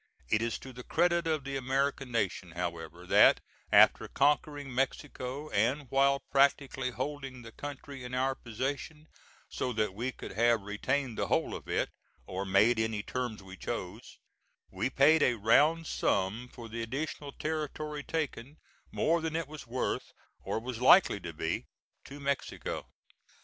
It is to the credit of the American nation, however, that after conquering Mexico, and while practically holding the country in our possession, so that we could have retained the whole of it, or made any terms we chose, we paid a round sum for the additional territory taken; more than it was worth, or was likely to be, to Mexico.